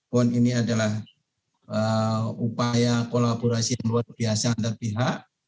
pon ini adalah upaya kolaborasi yang luar biasa antar pihak